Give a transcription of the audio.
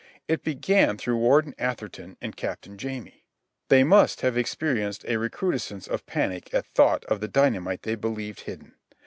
It began through Warden Atherton and Captain Jamie. They must have experienced a recrudescence of panic at thought of the dynamite they believed hidden.